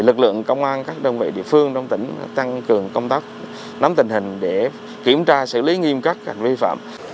lực lượng công an các đồng vị địa phương trong tỉnh tăng cường công tác nắm tình hình để kiểm tra xử lý nghiêm cắt hành vi phạm